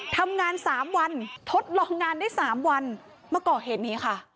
ทำงาน๓วันทดลองงานได้๓วันมาก่อเหตุนี้ค่ะ